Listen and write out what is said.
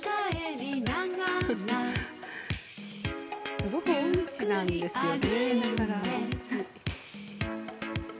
すごく音痴なんですよね。